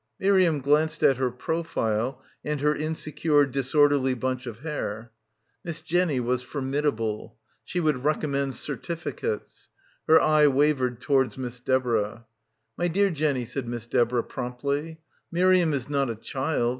Miriam glanced at her profile and her insecure disorderly bunch of hair. Miss Jenny was for midable. She would recommend certificates. Her eye wavered towards Miss Deborah. "My dear Jenny," said Miss Deborah promptly, "Miriam is not a child.